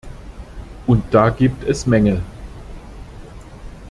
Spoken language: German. Und da gibt es Mängel.